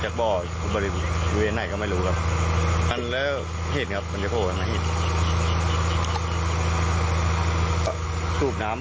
ค่อยคลานลงบ่อ